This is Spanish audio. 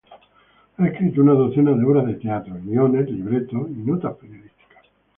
Ha escrito una docena de obras de teatro, guiones, libretos y notas periodísticas.